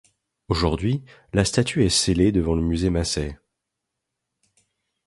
Aujourd'hui, la statue est scellée devant le musée Massey.